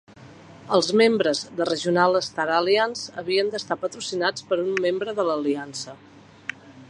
Els membres de Regional Star Alliance havien d'estar patrocinats per un membre de l'aliança.